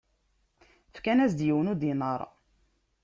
Fkan-as-d yiwen n udinaṛ.